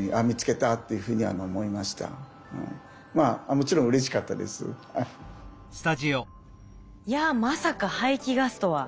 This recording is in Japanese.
もちろんいやまさか排気ガスとは。